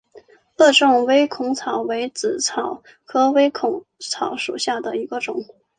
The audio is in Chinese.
萼状微孔草为紫草科微孔草属下的一个种。